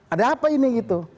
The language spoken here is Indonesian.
ada apa ini gitu